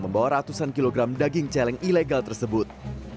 membawa ratusan kilogram daging celeng ilegal tersebut